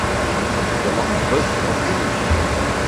The live versions of Me!